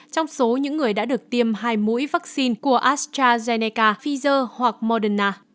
trong số những người đã được tiêm hai mũi vaccine của astrazeneca pfizer hoặc moderna